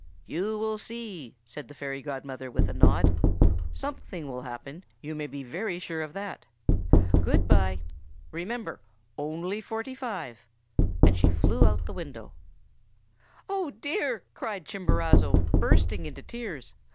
"'You will see!' said the fairy godmother, with a nod. 'Something will happen, you may be very sure of that. Good by. Remember, only forty five!' And away she flew out of the window. "'Oh, dear!' cried Chimborazo, bursting into tears.